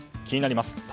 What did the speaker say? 気になります。